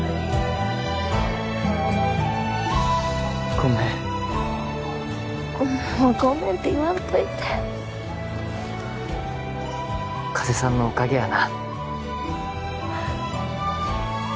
ごめんもうごめんって言わんといて加瀬さんのおかげやな